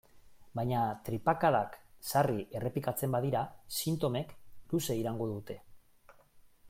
Baina tripakadak sarri errepikatzen badira, sintomek luze iraungo dute.